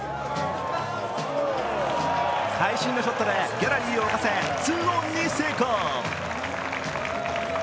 会心のショットでギャラリーを沸かせ２オンに成功。